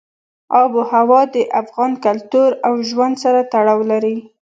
آب وهوا د افغان کلتور او ژوند سره تړاو لري.